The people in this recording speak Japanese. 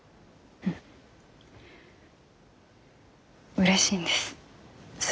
うれしいんです